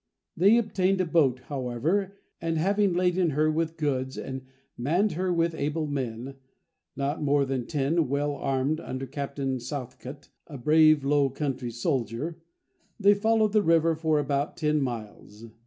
They obtained a boat, however, and, having laden her with goods, and manned her with able men ("not more than ten, well armed, under Captain Southcot, a brave Low country soldier,") they followed the river for about ten miles.